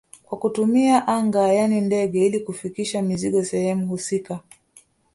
Kwa kutumia anga yani ndege ili kufikisha mizigo sehemu husika